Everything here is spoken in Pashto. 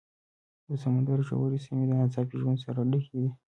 د سمندر ژورې سیمې د ناڅاپي ژوند سره ډکې دي.